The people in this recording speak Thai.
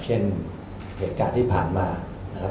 เช่นเหตุการณ์ที่ผ่านมานะครับ